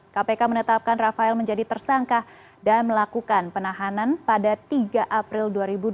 kpk menetapkan rafael menjadi tersangka dan melakukan penahanan pada tiga april dua ribu dua puluh